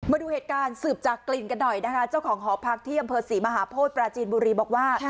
มาดูเหตุการณ์สืบจากกลิ่นกันหน่อยนะคะเจ้าของหอพักที่อำเภอศรีมหาโพธิปราจีนบุรีบอกว่า